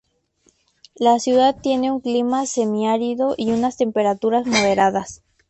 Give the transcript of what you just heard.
La ciudad tiene un clima semiárido y unas temperaturas moderadas.